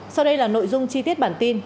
sau đây là nội dung chi tiết bản tin